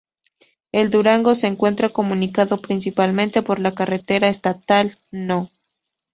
El Durango se encuentra comunicado principalmente por la carretera estatal No.